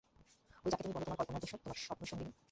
ঐ যাকে তুমি বল তোমার কল্পনার দোসর, তোমার স্বপ্নসঙ্গিনী!